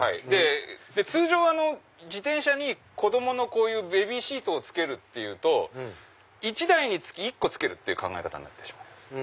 通常自転車に子供のベビーシートを付けるって１台につき１個付けるっていう考え方になってしまうんです。